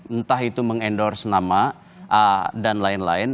entah itu meng endorse nama dan lain lain